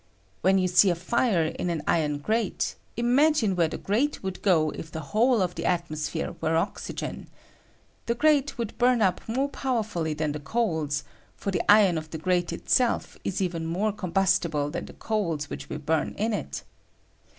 When you see a firo in an iron grate, ima^ne where the grate would go to if the whole of the atmos phere were oxygen. The grate would bum up more powerfully than the coals ; for the iron of ^HteU PROPERTIES OF NITROGEN. 127 the grate itself is even more combustible than the coals which we born in it.